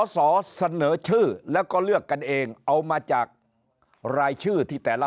สอเสนอชื่อแล้วก็เลือกกันเองเอามาจากรายชื่อที่แต่ละ